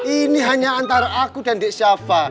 ini hanya antara aku dan dik syafa